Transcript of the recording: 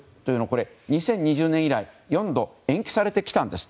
これは２０２０年以来４度延期されてきたんです。